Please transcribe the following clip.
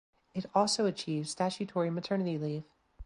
It also achieved statutory maternity leave.